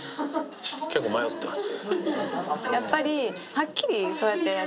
結構、迷ってます。